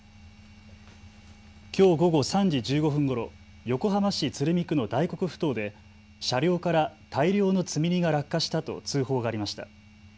きょう午後３時１５分ごろ、横浜市鶴見区の大黒ふ頭で車両から大量の積み荷が落下したと通報がありました。